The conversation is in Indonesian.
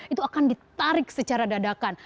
itu akan ditarik secara dadakan